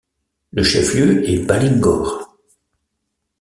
Le chef-lieu est Balinghore.